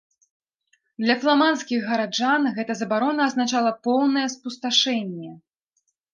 Для фламандскіх гараджан гэта забарона азначала поўнае спусташэнне.